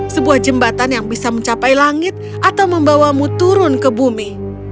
sebuah jembatan yang bisa mencapai langit atau membawamu turun ke bumi